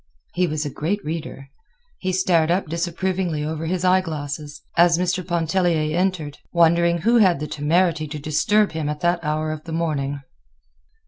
He was a great reader. He stared up disapprovingly over his eye glasses as Mr. Pontellier entered, wondering who had the temerity to disturb him at that hour of the morning.